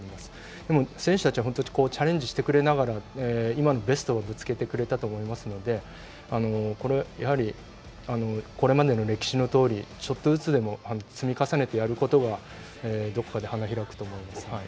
でも、選手たちは本当にチャレンジしてくれながら今のベストをぶつけてくれたと思いますので、やはり、これまでの歴史のとおり、ちょっとずつでも積み重ねてやることがどこかで花開くと思います。